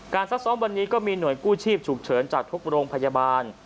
ซักซ้อมวันนี้ก็มีหน่วยกู้ชีพฉุกเฉินจากทุกโรงพยาบาล